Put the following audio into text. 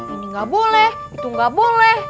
ini gak boleh itu gak boleh